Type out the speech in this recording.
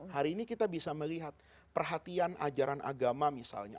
hari ini kita bisa melihat perhatian ajaran agama misalnya